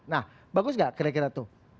nah bagus gak kira kira tuh